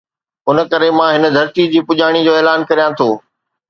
ان ڪري مان هن ڌرڻي جي پڄاڻي جو اعلان ڪريان ٿو.